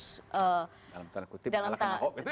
dalam tanda kutip mengalahkan ahok gitu